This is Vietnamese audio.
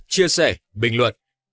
chia sẻ bình luận